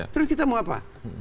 terus kita mau apa